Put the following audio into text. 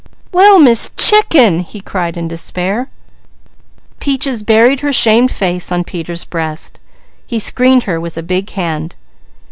"Well, Miss Chicken!" he cried in despair. Peaches buried her shamed face on Peter's breast. He screened her with a big hand.